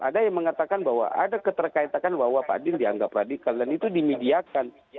ada yang mengatakan bahwa ada keterkaitan bahwa pak adil dianggap radikal dan itu dimediakan